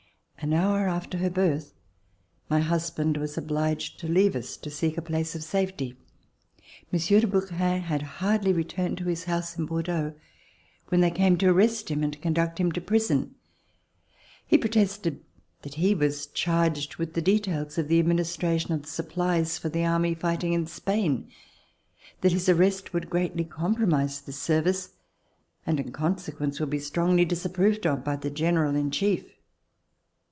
An hour after her birth my husband was obliged to leave us to seek a place of safety. Monsieur de Brouquens had hardly returned to his house in Bordeaux when they came to arrest him C 1443 FLIGHT TO BORDEAUX and conduct him to prison. He protested that he was charged with the details of the administration of the suppHes for the army fighting in Spain, that his arrest would greatly compromise this service and in consequence would be strongly disapproved of by the general in chief.